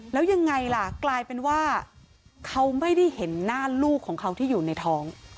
แล้วยังไงล่ะกลายเป็นว่าเขาไม่ได้เห็นหน้าลูกของเขาที่อยู่ในท้อง